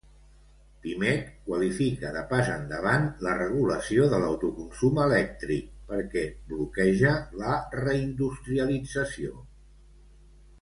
Pimec qualifica de “pas endavant” la regulació de l'autoconsum elèctric perquè “bloqueja” la reindustrialització.